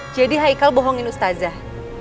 jadi heikal bohongin ustazah